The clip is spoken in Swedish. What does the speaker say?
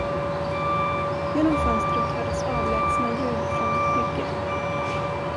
Genom fönstret hördes avlägsna ljud från ett bygge.